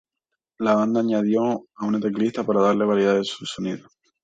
La banda añadió a un teclista para darle variedad a su sonido.